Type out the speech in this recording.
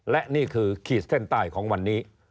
และนี่คือขีดเส้นใต้ของวันนี้